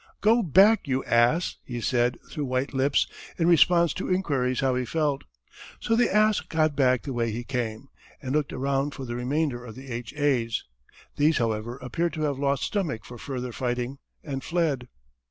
"Get back, you ass!" he said through white lips in response to inquiries how he felt. So the ass got back the way he came, and looked around for the remainder of the H. A.'s. These, however, appeared to have lost stomach for further fighting and fled.